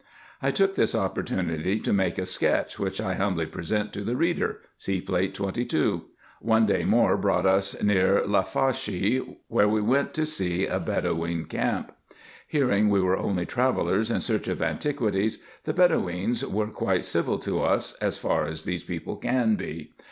1 took this opportunity to make a sketch, which I humbly present to the reader (See Plate 22). One day more brought us near Lafachie, where we went to see a Bedoween camp. Hearing we were only travellers in search of antiquities, the Bedoweens were quite civil to us, as far as these people can be.